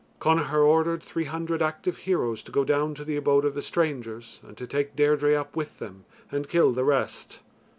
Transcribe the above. Connachar ordered three hundred active heroes to go down to the abode of the strangers and to take Deirdre up with them and kill the rest.